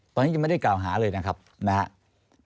ตอนนี้ยังไม่ได้กล่าวหาเลยนะครับนะครับ